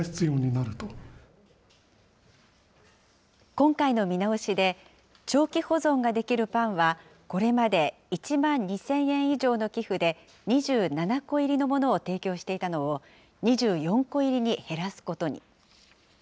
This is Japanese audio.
今回の見直しで、長期保存ができるパンはこれまで１万２０００円以上の寄付で２７個入りのものを提供していたのを、２４個入りに減らすことに。